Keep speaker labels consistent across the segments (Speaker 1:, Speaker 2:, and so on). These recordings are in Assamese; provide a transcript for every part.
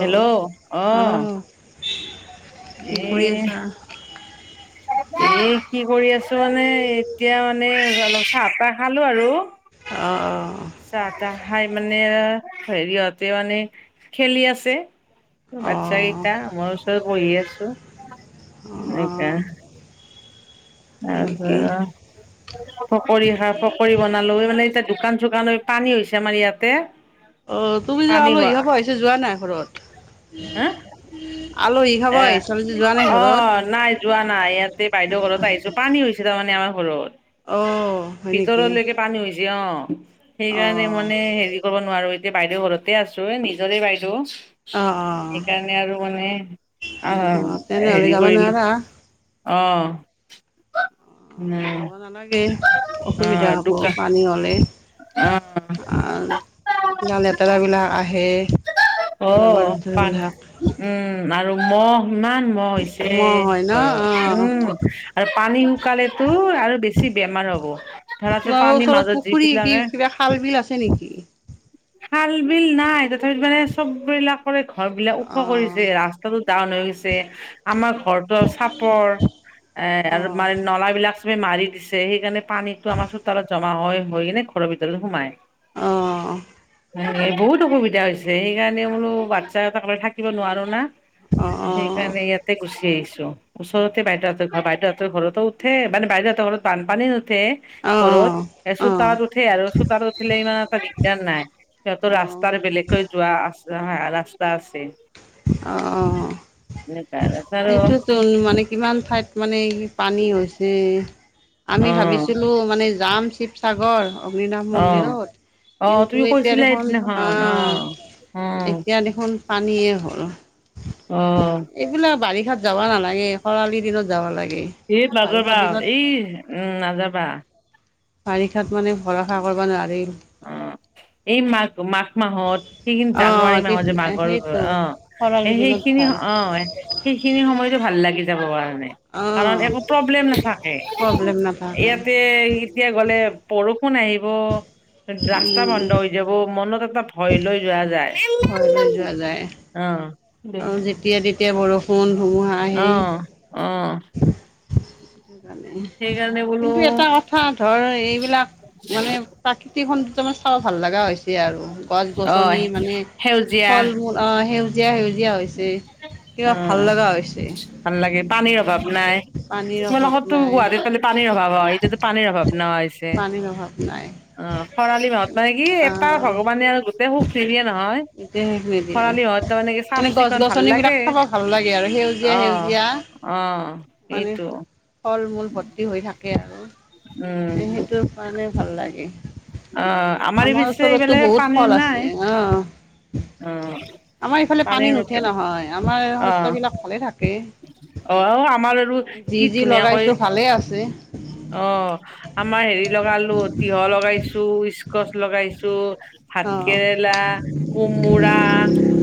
Speaker 1: হেল্ল' অ'।
Speaker 2: অহ
Speaker 1: এ
Speaker 2: কি কৰি আছা?
Speaker 1: এ কি কৰি আছো মানে এতিয়া মানে অলপ চাহ তাহ খালো আৰু।
Speaker 2: অ'অ'।
Speaker 1: চাহ তাহ খাই মানে হেৰিহতে মানে খেলি আছে।
Speaker 2: অ
Speaker 1: বাচ্ছা কেইটা মই ওচৰত বহি আছো এনেকা
Speaker 2: হয় নেকি
Speaker 1: তাৰপৰা পকৰি খা পকৰি বনালো এইফালে এতিয়া দোকান চোকান হৈ পানী হৈছে আমাৰ ইয়াতে।
Speaker 2: অ' তুমি এ
Speaker 1: পানী
Speaker 2: আলহি
Speaker 1: হোৱা
Speaker 2: খাব আহিছা যোৱা নাই ঘৰত।
Speaker 1: হা
Speaker 2: আলহী খাব
Speaker 1: এ
Speaker 2: আহিছা যে যোৱা নাই ঘৰত
Speaker 1: অ' নাই যোৱা নাই ইয়াতে বাইদেউ ঘৰত আহিছো পানী হৈছে তাৰমানে আমাৰ ঘৰত।
Speaker 2: অ' হয় নেকি।
Speaker 1: ভিতৰলৈকে পানী হৈছে অ'
Speaker 2: অ
Speaker 1: সেইকাৰণে মানে হেৰি কৰিব নোৱাৰো। এ বাইদেউ ঘৰতে আছো এ নিজৰে বাইদেউ।
Speaker 2: অ'অ'।
Speaker 1: সেইকাৰণে আৰু মানে আ
Speaker 2: অ তেনেহ'লে
Speaker 1: হেৰি
Speaker 2: যাব
Speaker 1: কৰিলো।
Speaker 2: নোৱাৰা
Speaker 1: অ। উম
Speaker 2: যাব নালাগে
Speaker 1: অ
Speaker 2: অসুবিধা হ'ব
Speaker 1: দোকা
Speaker 2: পানী হ'লে।
Speaker 1: অ
Speaker 2: আ গা লেটেৰা বিলাক আহে।
Speaker 1: অ
Speaker 2: জাবৰ
Speaker 1: পান
Speaker 2: জোথৰবিলাক
Speaker 1: উম আৰু মহ ইমান মহ হৈছে
Speaker 2: মহ হয় ন অ
Speaker 1: ঘৰত, উম। আৰু পানী শুকালে তো আৰু বেছি বেমাৰ হ'ব। ঘৰতে
Speaker 2: তোমাৰ
Speaker 1: পানী
Speaker 2: ওচৰত
Speaker 1: মাজত
Speaker 2: পুখুৰী কি
Speaker 1: যিবিলাকে।
Speaker 2: কিবা খাল বিল আছে নেকি
Speaker 1: খাল বিল নাই তথাপি মানে চব বিলাক। চবৰে ঘৰ বিলাক ওখ কৰিছে ৰাস্তাটো ডাউন হৈ গৈছে। আমাৰ ঘৰতো চাপৰ এ আৰু
Speaker 2: অ
Speaker 1: মানে নলাবিলাক চবে মাৰি দিছে, সেইকাৰণে পানীতো আমাৰ চোতালত জমাহৈ হৈ কিনে ঘৰৰ ভিতৰতে সোমাই।
Speaker 2: অহ।
Speaker 1: এ বহুত অসুবিধা হৈছে সেইকাৰণে বোলো বাচ্ছা কেইতাকলৈ থাকিব নোৱাৰোঁ না।
Speaker 2: অ', অ',
Speaker 1: সেইকাৰনে ইয়াতে গুচি আহিছো। ওচৰতে বাইদেউহঁতৰ ঘৰ, বাইদেউহঁতৰ ঘৰতো উঠে, মানে বাইদেউহঁতৰ ঘৰত বানপানী নু ঠে ঘৰত,
Speaker 2: অ',
Speaker 1: এ
Speaker 2: অ',
Speaker 1: চোতালত উঠে আৰু চোতালত উঠিলে ইমান এটা দিগদাৰ নাই। সিহঁতৰ
Speaker 2: অ',
Speaker 1: ৰাস্তাৰ বেলেগ কৈ যোৱা হয় ৰাস্তা আছে।
Speaker 2: অহ
Speaker 1: এনেকুৱা আৰু
Speaker 2: সেইটোৱেতো। [inaudible] মানে কিমান ঠাইত মানে পানী হৈছে। আমি
Speaker 1: অ
Speaker 2: ভাবিছিলো মানে যাম শিৱসাগৰ অগ্নিনাভ
Speaker 1: অ
Speaker 2: মন্দিৰত।
Speaker 1: অ
Speaker 2: কিন্তু
Speaker 1: তুমি
Speaker 2: এতিয়া
Speaker 1: কৈছিলা
Speaker 2: দেখোন আ
Speaker 1: সেইদিনাখন অ অ
Speaker 2: এতিয়া দেখোন পানীয়ে হ'ল।
Speaker 1: অহ।
Speaker 2: এইবিলাক বাৰিষাত যাব নালাগে। খৰালিৰ দিনত যাব লাগে।
Speaker 1: এই
Speaker 2: মানে বাৰিষাৰ
Speaker 1: নাজাবা,
Speaker 2: দিনত
Speaker 1: এই উম নাযাবা।
Speaker 2: বাৰিষাত মানে ভৰষা কৰিব নোৱাৰি।
Speaker 1: অ এই মাঘ মাঘ মাহত সেইখিনি
Speaker 2: অ',
Speaker 1: জানুৱাৰী মাহত যে মাঘৰ
Speaker 2: সেইটো
Speaker 1: অ
Speaker 2: খৰালি দিনত
Speaker 1: সেইখিনি
Speaker 2: ভাল
Speaker 1: অ, সেইখিনি সময়তো ভাল লাগি যাব কাৰণে। কাৰণ
Speaker 2: অ',
Speaker 1: একো প্ৰব্লেম নাথাকে,
Speaker 2: প্ৰব্লেম নাথাকে
Speaker 1: ইয়াতে এতিয়া গ'লে বৰষুণ আহিব। ৰাস্তা
Speaker 2: উম,
Speaker 1: বন্ধ হৈ যাব, মনত এটা ভয় লৈ যোৱা যায়।
Speaker 2: ভই কৰি যোৱা যায়।
Speaker 1: অ।
Speaker 2: আৰু যেতিয়া তেতিয়া বৰষুণ ধুমুহা
Speaker 1: অ
Speaker 2: আহে
Speaker 1: অ।
Speaker 2: [unintelligible] আমি,
Speaker 1: সেইকাৰণে বোলো
Speaker 2: কিন্তু এটা কথা ধৰ এইবিলাক মানে প্ৰাকৃতিক সৌন্দৰ্য মানে চাব ভাল লগা হৈছে আৰু গছ
Speaker 1: অ
Speaker 2: গছনি মানে
Speaker 1: সেউজীয়া
Speaker 2: ফল মূল অ সেউজীয়া সেউজী জিয়া হৈছে, কিবা
Speaker 1: অ
Speaker 2: ভাল লগা হৈছে।
Speaker 1: ভাল
Speaker 2: পানী ৰ
Speaker 1: লগতো গুৱাহাটী খালি পানীৰ অভাৱ হয়। এতিয়াতো পানীৰ অভাৱ নাই।
Speaker 2: পানীৰ অভাৱ না
Speaker 1: অঁ খৰালি মাহত মানে কি এটা
Speaker 2: আহ
Speaker 1: ভগৱানে আৰু গোটেই সুখ নিৱিয়ে নহয়।
Speaker 2: সুখ নিদিয়ে।
Speaker 1: খৰালি মাহত তাৰমানে কি চাফ
Speaker 2: তেনেকোৱা গছ
Speaker 1: চিকুণ ভাল
Speaker 2: গছনিবিলাক
Speaker 1: লাগে
Speaker 2: চাব ভাল লাগে আৰু সেউজীয়া
Speaker 1: অ',
Speaker 2: সেউজীয়া।
Speaker 1: অ',
Speaker 2: মানে
Speaker 1: এইটো
Speaker 2: ফল মূল ভৰ্তি হৈ থাকে আৰু
Speaker 1: উম,
Speaker 2: সেইটো কাৰণে ভাল লাগে।
Speaker 1: অ',
Speaker 2: আমাৰ
Speaker 1: পিছে এইফালে
Speaker 2: ওচৰতো বহুত
Speaker 1: পানীৰ
Speaker 2: ফল
Speaker 1: নাই
Speaker 2: আছে। আহ
Speaker 1: অ',
Speaker 2: আমাৰ এইফালে পানী
Speaker 1: পানীৰ
Speaker 2: নুঠে নহয়। আমাৰ
Speaker 1: অ',
Speaker 2: শস্যবিলাক ভালে থাকে।
Speaker 1: অ', আমাৰ আৰু
Speaker 2: যি
Speaker 1: কি
Speaker 2: যি
Speaker 1: ধুনীয়াকৈ
Speaker 2: লগাইছোঁ ভালে আছে।
Speaker 1: অ আমাৰ হেৰি লগালোঁ। তিয়হ লগাইছোঁ স্কচ লগাইছোঁ।
Speaker 2: অ
Speaker 1: ভাতকেৰেলা, কোমোৰা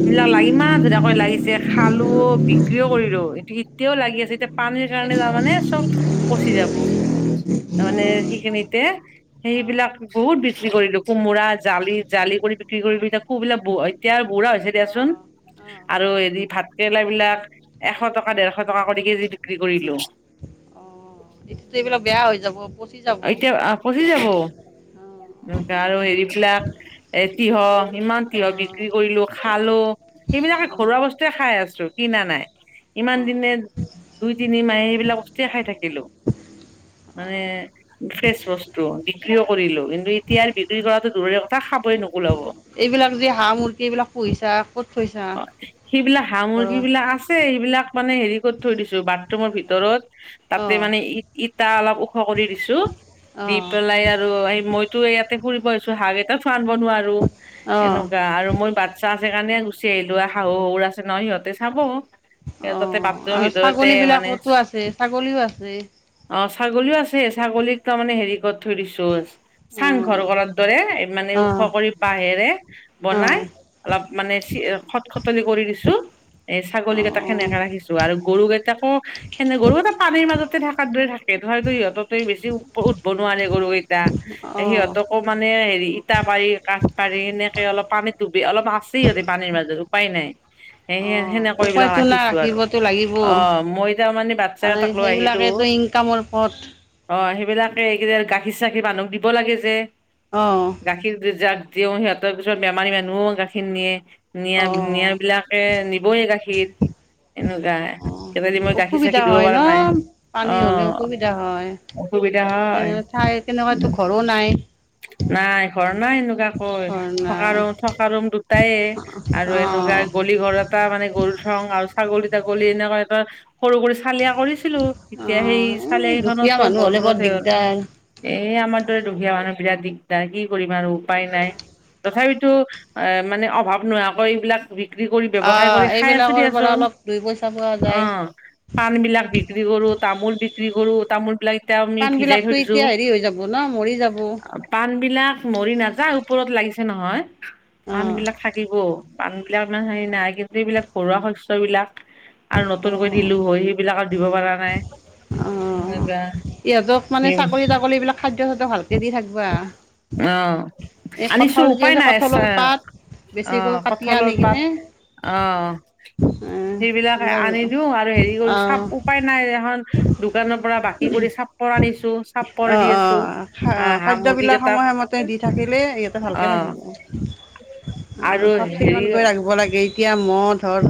Speaker 1: সেইবিলাক ইমান ধুনীয়াকৈ লাগিছে খালোও বিক্ৰীও কৰিলোঁ, এইটো এতিয়াও লাগি আছে। এতিয়া পানীৰ কাৰণে
Speaker 2: এতিয়াতো
Speaker 1: তাৰমানে চব পচি যাব।
Speaker 2: অ
Speaker 1: তাৰমানে সেইখিনিতে
Speaker 2: অ
Speaker 1: সেইবিলাক বহুত বিক্ৰী কৰিলোঁ। কোমোৰা জালি, জালি কৰি বিক্ৰী কৰিলোঁ। কো বিলাক ব হয়। এতিয়া আৰু বুঢ়া হৈছে
Speaker 2: অ অ
Speaker 1: দিয়াচোন।
Speaker 2: অ',
Speaker 1: আৰু হেৰি ভাত কেৰেলা বিলাক এশ টকা দেৰশ টকা কৰি কেজি বিক্ৰী কৰিলোঁ।
Speaker 2: গোটেই বিলাক বেয়া হৈ যাব। পচি যাব অ
Speaker 1: এতিয়া পচি যাব এনেকে আৰু হেৰিবিলাক এ তিঁহ ইমান তিয়ঁহ
Speaker 2: অ
Speaker 1: বিক্ৰী কৰিলোঁ খালোঁ সেইবিলাকে ঘৰুৱা বস্তুয়ে খাই আছোঁ। কিনা নাই। ইমান
Speaker 2: অ অ
Speaker 1: দিনে দুই তিনি মাহে এইবিলাক বস্তু য়ে খাই থাকিলোঁ। মানে ফ্ৰেচ বস্তু বিক্ৰীও কৰিলোঁ কিন্তু এতিয়া বিক্ৰী কৰাতো দূৰৰে কথা খাবই নোকোলাব।
Speaker 2: এইবিলাক যে হাঁহ মুূৰ্গি এইবিলাক পুহিছা। কত থৈছা
Speaker 1: অ সেইবিলাক হাঁহ মুৰ্গী
Speaker 2: ঘৰত?
Speaker 1: বিলাক আছে এইবিলাক মানে, হেৰি কৰি থৈ দিছোঁ বাথৰুমৰ ভিতৰত।
Speaker 2: অ
Speaker 1: তাতে মানে ই ইটা অলপ ওখ কৰি দিছোঁ। দি পেলাই আৰু, এই মইতো ইয়াতে ফুৰিব আহিছোঁ, হাঁহ কেইটা ফাৰ্মত ভৰাই থলো।
Speaker 2: অ অ
Speaker 1: এনেকুৱা আৰু মই বা বাচ্ছা আছে কাৰণে গুচি আহিলোঁ। আৰু শাহু শহুৰ আছে নহ সিহঁতে চাব। তাতে
Speaker 2: অ',
Speaker 1: বাথৰুমৰ
Speaker 2: আৰু
Speaker 1: ভিতৰতে
Speaker 2: ছাগলী
Speaker 1: মানে।
Speaker 2: বিলাকতো আছে ছাগলীও আছে
Speaker 1: অ ছাগলীও আছে। ছাগলীক তাৰমানে হেৰি কৰত থৈ দিছোঁ চাং ঘৰ
Speaker 2: অ'।
Speaker 1: কৰাৰ দৰে মানে ওখ
Speaker 2: অ',
Speaker 1: কৰি বাঁহেৰে বনাই
Speaker 2: অ',
Speaker 1: অলপ মানে, চ খট খটলি কৰি দিছোঁ। এই ছাগলী কেইটাক
Speaker 2: অ',
Speaker 1: সেনেকে ৰাখিছোঁ, আৰু গৰু কেইটাকো এনে গৰু কেইটা পানীৰ মাজতে থকাৰ দৰে থাকে, তথাপিটো সিহঁতক বেছি উঠ উঠব নোৱাৰে গৰু কেইটা।
Speaker 2: অ',
Speaker 1: সিহঁতকো মানে হেৰি ইটা পাৰি কাঠপাৰি এনেকে অলপ পানীত ডুবি অলপ আছেই ইহঁতে পানীৰ মাজত। উপায় নাই। সে
Speaker 2: অ',
Speaker 1: সেনেকৈ কৰি পেলাই
Speaker 2: উপায়তো নাই
Speaker 1: আহিছোঁ আৰু
Speaker 2: ৰাখিবতো লাগিব।
Speaker 1: অ মই তাৰ মানে বাচ্ছাকেইটাক লৈ আহিলোঁ।
Speaker 2: কামৰ পথ
Speaker 1: অ সেইবিলাকে এইকেইদিন গাখীৰ চাখীৰ মানুহক দিব লাগে যে।
Speaker 2: অঁ
Speaker 1: গাখীৰ যাক দিওঁ সিহঁতৰ পিছত বেমাৰী মানুহো গাখীৰ নিয়ে। নিয়া
Speaker 2: অ'।
Speaker 1: নিয়া বিলাকে নিবই গাখীৰ। এনেকুৱা কেতিয়াদি মই
Speaker 2: অ
Speaker 1: গাখীৰ
Speaker 2: অসুবিধা
Speaker 1: চাখীৰ দিব
Speaker 2: হয় ন
Speaker 1: পৰা নাই অ
Speaker 2: পানী হলে অসুবিধা হয়।
Speaker 1: অসুবিধা হয়
Speaker 2: এই ঠাই তেনেকুৱাতো ঘৰো নাই।
Speaker 1: নাই ঘৰ নাই এনেকুৱা কৈ
Speaker 2: ঘৰ
Speaker 1: থকা
Speaker 2: নাই
Speaker 1: ৰুম থকা ৰুম দুটায়েই। আৰু এনেকুৱা
Speaker 2: অ'।
Speaker 1: গলি ঘৰত এটা মানে গৰু থং আৰু ছাগলী তাগলী এনেকুৱা এটা সৰু কৰি চালিয়া কৰি ছিলো এতিয়া সেই
Speaker 2: অ', এই দুখীয়া
Speaker 1: চালিয়াকেইখনতো
Speaker 2: মানুহ হ'লে বৰ
Speaker 1: বৰষুতহে
Speaker 2: দিগদাৰ।
Speaker 1: এ আমাৰ দৰে দুখীয়া মানুহ বিৰাট দিগদাৰ কি কৰিম আৰু উপায় নাই। তথাপিতো এ মানে অভাৱ নোহোৱাকৈ এইবিলাক বিক্ৰী কৰি ব্যৱসায়
Speaker 2: অ',
Speaker 1: কৰি খাই আছোঁ
Speaker 2: এইবিলাকৰ পৰা
Speaker 1: দিয়াচোন
Speaker 2: অলপ দুই পইচা পোৱা যায়।
Speaker 1: অ'। পাণ বিলাক বিক্ৰী কৰোঁ, তামোল বিক্ৰী কৰোঁ, তামোল বিলাক এতিয়া আমি
Speaker 2: পাণ
Speaker 1: ভিজাই থৈ
Speaker 2: বিলাকতো
Speaker 1: দিছো।
Speaker 2: এতিয়া হেৰি হৈ যাব ন মৰি যাব।
Speaker 1: পাণ বিলাক মৰি নাযায়, ওপৰত লাগিছে নহয়। পাণবিলাক থাকিব, পাণ বিলাক ইমান হেৰি নাই কিন্তু এইবিলাক ঘৰুৱা শস্যবিলাক আৰু
Speaker 2: অ
Speaker 1: নতুনকৈ দিলোঁ হয় সেইবিলাক আৰু দিব পৰা নাই।
Speaker 2: অ', ইহঁতক মানে চাগলী
Speaker 1: সেনেকুৱা
Speaker 2: তাগলী বিলাক খাদ্য চাদ্য ভালকে দি থাকবা।
Speaker 1: অ',
Speaker 2: এই কঁঠাল
Speaker 1: আনিছোঁ
Speaker 2: যি
Speaker 1: উপায়
Speaker 2: আছে
Speaker 1: নাই, চা
Speaker 2: কঁঠালৰ পাত বেছিকৈ
Speaker 1: অ',
Speaker 2: কাটি আনি
Speaker 1: কঠালৰ পাত,
Speaker 2: কিনে
Speaker 1: অ'। সেইবিলাক
Speaker 2: এইবিলাক
Speaker 1: আনি দিও আৰু হেৰি কৰো
Speaker 2: অ
Speaker 1: চাপ উপায় নাই এখন দোকানৰ পৰা বাকী কৰি চাপ চাপৰ আনিছোঁ, চাপৰ
Speaker 2: অ
Speaker 1: দি
Speaker 2: অ
Speaker 1: আছোঁ, হা হাঁহ মুৰ্গী
Speaker 2: খাদ্যবিলাক
Speaker 1: কেইটা
Speaker 2: সময়মতে দি থাকি দিলে ইহঁতে ভালকে থাকিব আৰু চাফ চিকুণকৈ ৰাখব লাগে। এতিয়া মও ধৰ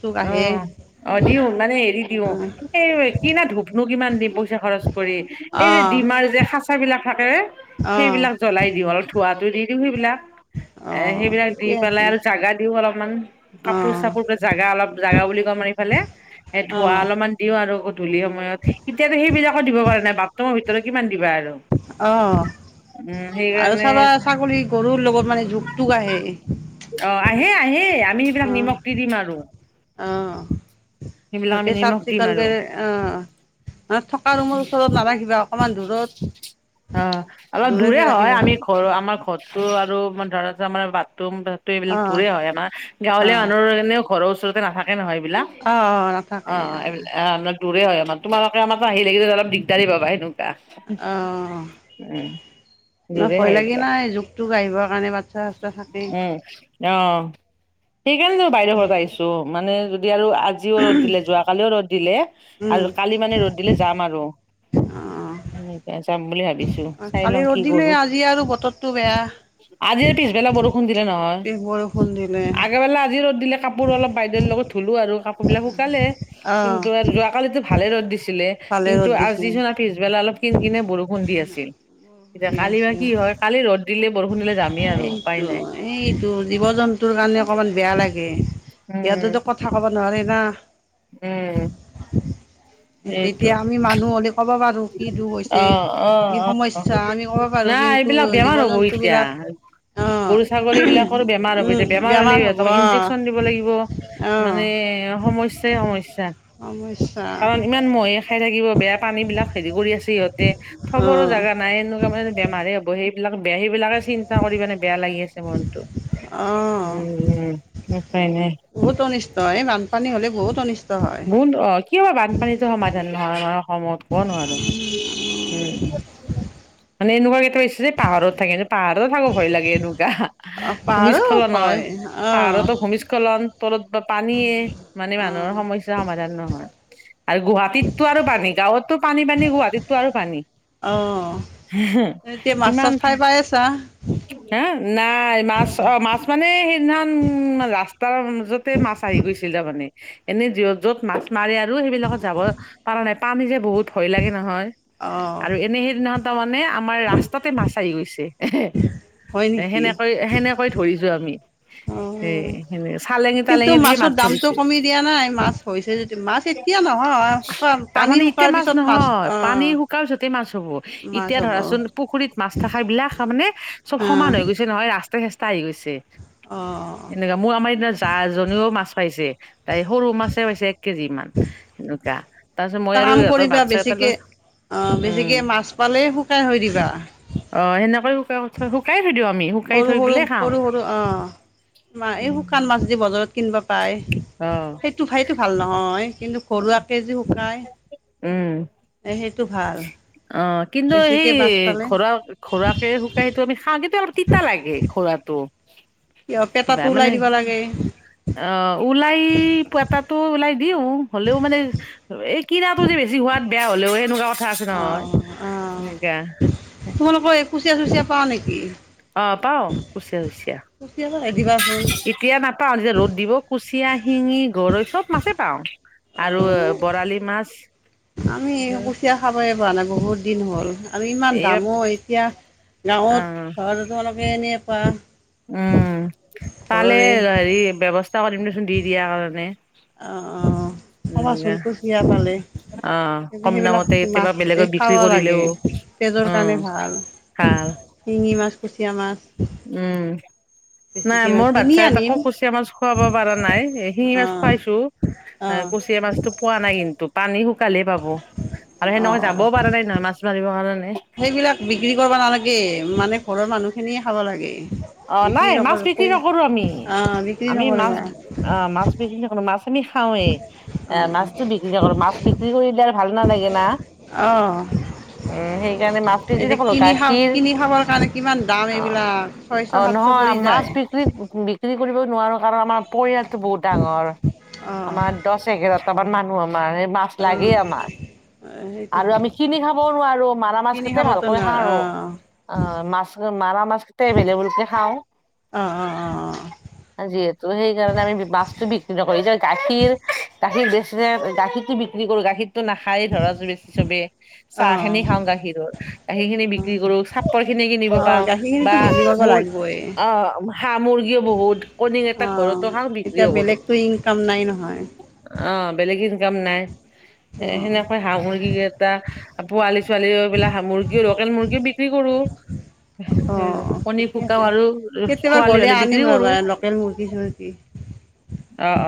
Speaker 2: চোক আহে
Speaker 1: অ', অ', দিওঁ মানে হেৰি দিওঁ।
Speaker 2: অ
Speaker 1: এই কিনা ধূপনো কিমান দিম পইচা খৰচ কৰি এই যে ডিমাৰ
Speaker 2: অ
Speaker 1: যে সাচ সেইবিলাক থাকে,
Speaker 2: অ
Speaker 1: সেইবিলাক জ্বলাই দিওঁ, অলপ ধোৱাতো দি দিওঁ সেইবিলাক।
Speaker 2: অ
Speaker 1: এ সেইবিলাক দি
Speaker 2: ঠিকে
Speaker 1: পেলাই
Speaker 2: আছে
Speaker 1: আৰু জাগা দিও অলপমান,
Speaker 2: অ
Speaker 1: কাপোৰ চাপোৰ জাগা অলপ গা বুলি কই আমাৰ এইফালে, এ ধোঁৱা
Speaker 2: অ
Speaker 1: অলপমান দিওঁ আৰু। গধূলি সময়ত, এতিয়াতো সেইবিলাকো দিব পৰা নাই বাথৰুমৰ ভিতৰত কিমান দিবা আৰু।
Speaker 2: অ',
Speaker 1: উম
Speaker 2: আৰু
Speaker 1: সেইকাৰণে
Speaker 2: চাবা ছাগলী গৰুৰ লগত মানে জোক তোক আহে।
Speaker 1: অ', আহে আহেই, আমি সেইবিলাক
Speaker 2: অ',
Speaker 1: নিমখ দি দিম আৰু
Speaker 2: অ'।
Speaker 1: সেইবিলাক আমি
Speaker 2: ভালকে চাফ
Speaker 1: নিমখ দিম
Speaker 2: চিকুণ
Speaker 1: আৰু
Speaker 2: কৰি অ'। মানে থকা ৰুমৰ ওচৰত নাৰাখিবা, অকণমান দূৰত
Speaker 1: অ', অলপ দূৰে
Speaker 2: দূৰকে
Speaker 1: হয়,
Speaker 2: ৰাখিবা
Speaker 1: আমি ঘৰ আমাৰ ঘৰতো আৰু ধৰা আমাৰ বাথৰুম ত এইবিলাক
Speaker 2: অ',
Speaker 1: দূৰে হয় আমাৰ, গাঁৱলীয়া
Speaker 2: অ',
Speaker 1: মানুহৰ এনেও ঘৰৰ ওচৰতে নাথাকে নহয় এইবিলাক।
Speaker 2: অ', অ'। নাথাকে
Speaker 1: অ', অ', এইবিলা অ', দূৰে হয় আমাৰ, তোমালোকে আমাৰ তাত আহি থাকিলে অলপ দিগদাৰী পাবা, সেইটো তাত উম।
Speaker 2: না
Speaker 1: দূৰে
Speaker 2: ভয়
Speaker 1: হয়
Speaker 2: লাগে না,
Speaker 1: এইবিলাক
Speaker 2: জোক টোক আহিবৰ কাৰণে, বাচ্ছা চাচ্ছা থাকেই।
Speaker 1: উম, অ', সেইকাৰণে বাইদেউৰ ঘৰত আহিছোঁ মানে যদি আৰু আজিও ৰ'দ দিলে, যোৱা কালিও ৰ'দ দিলে আৰু
Speaker 2: উম,
Speaker 1: কা কালি মানে ৰ'দ দিলে যাম আৰু
Speaker 2: অ',
Speaker 1: যাম বুলি ভাবিছোঁ।
Speaker 2: কালি ৰ'দ দিলে আজি আৰু বতৰটো বেয়া।
Speaker 1: আজিও পিছবেলা বৰষুণ দিলে নহয়,
Speaker 2: বৰষুণ দিলে
Speaker 1: আগাবেলা আজিৰ ৰ'দ দিলে কাপ কাপোৰ অলপ বাইদেউৰ লগত ধুলোঁ আৰু কাপোৰ বিলাক শুকালে
Speaker 2: অ',
Speaker 1: কিন্তু আৰু যোৱাকালিতো ভালে ৰ'দ দিছিলে।
Speaker 2: ভালে
Speaker 1: কিন্তু
Speaker 2: ৰ'দ দিছে
Speaker 1: আজি চোন আৰু পিছবেলা অলপ কিন কিনে বৰষুণ দি আছিল, এতিয়া কালি বা কি হয়, কালি ৰ'দ দিলে বৰষুণ দিলে যামেই আৰু উপায়
Speaker 2: এইটো,
Speaker 1: নাই
Speaker 2: এইটো জীৱ জন্তুৰ কাৰণে অকণমান বেয়া লাগে।
Speaker 1: উম
Speaker 2: ইহঁতেতো কথা ক'ব নোৱাৰি না।
Speaker 1: উম সেইটো
Speaker 2: এতিয়া আমি মানুহ হ'লে ক'ব পাৰোঁ কি দুখ
Speaker 1: অ
Speaker 2: হৈছে,
Speaker 1: অ
Speaker 2: কি
Speaker 1: অ
Speaker 2: সমস্যা আমি ক'ব পাৰো।
Speaker 1: নাই
Speaker 2: কিন্তু
Speaker 1: এইবিলাক বেমাৰ
Speaker 2: জীৱ
Speaker 1: হ'ব
Speaker 2: জন্তু
Speaker 1: এতিয়া। [unintelligible] গৰু ছাগলী বিলাকৰ বেমাৰ হ'ব
Speaker 2: উম
Speaker 1: এতিয়া, বেমাৰ হলে
Speaker 2: হ'ব
Speaker 1: সিহঁতক
Speaker 2: অঁ
Speaker 1: ইনজেকশ্যন দিব লাগিব।
Speaker 2: অঁ
Speaker 1: মানে সমস্যাই সমস্যা।
Speaker 2: সমস্যা
Speaker 1: কাৰণ ইমান মহে খাই থাকিব বেয়া পানী বিলাক হেৰি কৰি আছে সিহঁতে, থবৰো
Speaker 2: অঁ
Speaker 1: জাগা নাই, এনেকুৱা মানে বেমাৰ হ'ব সেই এইবিলাক বেয়া। সেইবিলাকে চিন্তা কৰি মানে বেয়া লাগি আছে মনটো।
Speaker 2: অঁ
Speaker 1: উম, উম। উপাই নাই।
Speaker 2: বহুত অনিষ্ট, এই বানপানী হ'লে বহুত অনিষ্ট। হয়।
Speaker 1: বহুত অ, কিয়বা বানপানীতো সমাধান নহয় বাৰু। সময়ত কোন হয়নো। উম। মানে এনেকুৱাকে থৈছে যে পাহাৰত থাকে, পাহাৰতো থাকো ভয় লাগে এনেকুৱা।
Speaker 2: অঁ পাহাৰো
Speaker 1: ভূমিস্খলন হয়,
Speaker 2: অঁ
Speaker 1: পাহাৰতো ভূমিস্খলন। তলত বা পানীয়ে। মানে
Speaker 2: অঁ
Speaker 1: মানুহৰ সমস্যা সমাধান নহয়। আৰু গু টীতটো আৰু পানী। গাঁৱতটো পানী পানী গুৱাহাটীতটো আৰু পানী।
Speaker 2: অ।
Speaker 1: হুহুম, ইমান থা
Speaker 2: পাইছা?
Speaker 1: হা নাই মাছ অ মাছ মানে সেইদিনাখন ৰাস্ত তাৰ মাজতে মাছ আহি গৈছিল তাৰমানে। এনে য'ত য'ত মাছ মাৰে আৰু সেইবিলাকত যাব পৰা নাই, পানী যে বহুত ভয় লাগে নহয়।
Speaker 2: অঁ
Speaker 1: আৰু এনে সেই দিনত ত মানে আমাৰ ৰাস্তাতে মাছ আহি গৈছে।
Speaker 2: হয়
Speaker 1: এ
Speaker 2: নেকি
Speaker 1: সেনেকৈ সেনেকৈ ধৰিছো আমি। এ
Speaker 2: উম,
Speaker 1: সেনে চালেঙি
Speaker 2: কিন্তু
Speaker 1: তালেঙি দিয়ে মাছ
Speaker 2: মাছৰ দামতটো
Speaker 1: ধৰিছে
Speaker 2: কমি দিয়া নাই মাছ হৈছে যদি মাছ তেতিয়া নহয়। শুকান
Speaker 1: তাৰমানে
Speaker 2: পানী
Speaker 1: এতিয়া
Speaker 2: শুকোৱাৰ পিছত মাছ
Speaker 1: নহয়
Speaker 2: অ'
Speaker 1: [unintelligible] মাছ হ'ব।
Speaker 2: মাছ
Speaker 1: এতিয়া
Speaker 2: হ'ব অ
Speaker 1: ধৰাচোন পুখুৰীত মাছ থকা বিলাক মানে চব সমান হৈ গৈছে। নহয় ৰাস্তা চাস্তা আহি গৈছে।
Speaker 2: অ।
Speaker 1: এনেকা। মোৰ আমাৰ এনা জা জনীও মাছ পাইছে, তাই সৰু মাছে পাইছে এক কেজি মান। এনেকা।
Speaker 2: এটা কাম কৰিবা বেছিকে, অ
Speaker 1: উম
Speaker 2: বেছিকে মাছ পালে শুকাই হৈ দিবা।
Speaker 1: অ, সেনেকৈ শুকাই শুকাই থৈ দিওঁ আমি। শুকাই
Speaker 2: সৰু
Speaker 1: থৈ
Speaker 2: সৰু,
Speaker 1: পেলাই খাওঁ
Speaker 2: সৰু সৰু অ। এই শুকান মাছ যে বজাৰত কিনবা পায়।
Speaker 1: অ
Speaker 2: সেইটো ফাইটো ভাল নহয়, কিন্তু ঘৰুৱাকেই যে শুকাই।
Speaker 1: উম
Speaker 2: এ সেইটো ভাল।
Speaker 1: অ। কিন্তু
Speaker 2: বেছিকে
Speaker 1: সেই
Speaker 2: মাছ পালে
Speaker 1: ঘৰুৱা ঘৰুৱাকে সেইটো আমি খাওঁ কেতিয়াবা তিতা লাগে ঘৰুটো।
Speaker 2: কিয় পেটাতো ওলাই দিব লাগে।
Speaker 1: অ ওলাই পেতাটো ওলাই দিওঁ। হ'লেও মানে এই কিনাটো যে বেছি হোৱাত বেয়া হলেও এনেকুৱা
Speaker 2: অ, অ। তোমালোকৰ এ কুচিয়া চুচিয়া পোৱা নেকি?
Speaker 1: অ পাওঁ কুচিয়া চুচিয়া।
Speaker 2: কুচিয়াটো আনি দিবাচোন।
Speaker 1: এতিয়া নাপাওঁ যে ৰ'দ দিব কুচিয়া, শিঙি, গৰৈ চব মাছেই পাওঁ। আৰু
Speaker 2: অ'
Speaker 1: বৰালি মাছ
Speaker 2: আমি কুচিয়া খাবই পোৱা নাই বহুত দিন হ'ল আমি ইমান
Speaker 1: এই অ
Speaker 2: দামো এতিয়া গাঁৱত [unintelligible] [unintelligible] [unintelligible]
Speaker 1: উম পালে
Speaker 2: ঘৰৰে
Speaker 1: হেৰি ব্যৱস্থা কৰিম ৰেচন দি দিয়াৰ কাৰণে
Speaker 2: অ অ কবাচোন কুচিয়া পালে,
Speaker 1: অ কম
Speaker 2: সেইবিলাক
Speaker 1: দামতে কেতিয়াবা
Speaker 2: মাছ এই
Speaker 1: বেলেগত বিক্ৰী
Speaker 2: কাৱা লাগে।
Speaker 1: কৰিলেও
Speaker 2: তেজৰ
Speaker 1: উম
Speaker 2: কাৰণে ভাল
Speaker 1: [unintelligible]
Speaker 2: শিঙি মাছ, কুচিয়া মাছ
Speaker 1: উম নাই
Speaker 2: বেছিকে
Speaker 1: মোৰ
Speaker 2: কিনি
Speaker 1: বাচ্ছা কেইটাক
Speaker 2: আনিম
Speaker 1: কুচীয়া মাছ খুৱাব পাৰা নাই, শিঙি মাছ
Speaker 2: অ'
Speaker 1: খুৱাইছো।
Speaker 2: অ'
Speaker 1: কুচিয়া মাছ পোৱা নাই কিন্তু পানী শুকালেহে পাব আৰু
Speaker 2: অ'
Speaker 1: সেনেও যাব
Speaker 2: অ'
Speaker 1: পৰা নাই নহয় মাছ মাৰিব কাৰণে।
Speaker 2: সেইবিলাক বিক্ৰী কৰিব নালাগে, মানে ঘৰৰ মানুহ খিনিয়ে খাব লাগে।
Speaker 1: অ নাই
Speaker 2: বিক্ৰী
Speaker 1: মাছ বিক্ৰী
Speaker 2: নকৰিবা
Speaker 1: নকৰো আমি
Speaker 2: [unintelligible] আহ বিক্ৰী
Speaker 1: আমি মাছ
Speaker 2: নকৰিবা
Speaker 1: অ মাছ বিক্ৰী [unintelligible] [unintelligible] মাছ আমি
Speaker 2: অঁ
Speaker 1: খাওঁৱেই মাছতো বিক্ৰী কৰি থাকে মাছ বিক্ৰী কৰিলে ভাল নালাগে না
Speaker 2: অঁ
Speaker 1: উম সেইকাৰণে মাছ বিক্ৰী
Speaker 2: এতিয়া
Speaker 1: কৰোঁ
Speaker 2: কিনি খা
Speaker 1: গাখীৰ
Speaker 2: কিনি খাবৰ কাৰণে কিমান দাম
Speaker 1: অ
Speaker 2: এইবিলাক ছয়শ
Speaker 1: অ
Speaker 2: সাতশ
Speaker 1: নহয়
Speaker 2: পৰি
Speaker 1: মাছ
Speaker 2: যায়
Speaker 1: বিক্ৰী বি বিক্ৰী কৰিব নোৱাৰো কাৰণ আমাৰ পৰিয়ালটো বহুত ডাঙৰ
Speaker 2: অঁ
Speaker 1: আমাৰ দহ এঘাৰটা মান মানুহ আমাৰ এই মাছ
Speaker 2: অঁ
Speaker 1: লাগেই আমাৰ আৰু
Speaker 2: সেইটোতো
Speaker 1: আমি কিনি খাবও নোৱাৰো মাৰা
Speaker 2: কিনি
Speaker 1: মাছকেইটাকে
Speaker 2: খাবতো
Speaker 1: ভালকৈ
Speaker 2: ন
Speaker 1: খাওঁ আৰু
Speaker 2: অঁ
Speaker 1: অ মাছ মাৰা মাছ কেইটাই এভেইলেবলকে খাওঁ
Speaker 2: অঁ অঁ অঁ অঁ
Speaker 1: যিহেতু সেইকাৰণে আমি মাছটো বিক্ৰী নকৰিলো গাখীৰ গাখীৰ বেছি গাখীৰটো বি কি কৰো গাখীৰতো নাখায়, লৰা - ছোৱালীয়ে সবেই
Speaker 2: অঁ
Speaker 1: চাহ খিনি খাওঁ গাখীৰৰ। সেইখিনি
Speaker 2: অঁ
Speaker 1: বিক্ৰী কৰো চাপৰ খিনি কিনিব
Speaker 2: অঁ
Speaker 1: পাওঁ
Speaker 2: গাখীৰখিনিতো
Speaker 1: বা
Speaker 2: বিক্ৰী কৰিব
Speaker 1: মোৰ
Speaker 2: লাগিবই
Speaker 1: অ হাঁহ-মুৰ্গীও বহুত কণী এটা
Speaker 2: অঁ
Speaker 1: ঘৰতো খাওঁ
Speaker 2: এতিয়া
Speaker 1: বিক্ৰীও কৰো
Speaker 2: বেলেগতো ইনকাম নাই নহয়
Speaker 1: অ বেলেগ ইনকাম নাই এ
Speaker 2: অঁ
Speaker 1: সেনেকৈ হাঁহ মুৰ্গী কেইটা পোৱালি ছোৱালীবিলাক মুৰ্গীও লোকেল মুৰ্গীও বিক্ৰী কৰো
Speaker 2: অ'
Speaker 1: কণী
Speaker 2: ঠিকে
Speaker 1: [unintelligible]
Speaker 2: আছে
Speaker 1: আৰু
Speaker 2: কেতিয়াবা
Speaker 1: ছোৱালী
Speaker 2: গ'লে
Speaker 1: হ'লে
Speaker 2: আনিম
Speaker 1: বিক্ৰীও
Speaker 2: ৰ'বা
Speaker 1: কৰোঁ
Speaker 2: লোকেল মূৰ্গী - সুৰ্গী
Speaker 1: অ অ